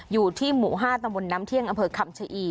อยู่ที่หมู่๕ตะวนน้ำเที่ยงอเผิกคำเชอี